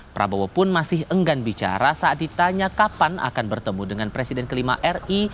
prabowo pun masih enggan bicara saat ditanya kapan akan bertemu dengan presiden kelima ri